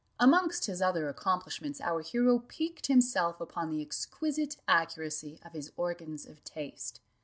Amongst his other accomplishments our hero piqued himself upon the exquisite accuracy of his organs of taste.